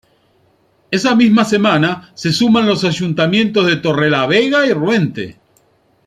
Esa misma semana se suman los ayuntamientos de Torrelavega y Ruente.